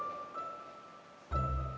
masa bersikap sama anak kecil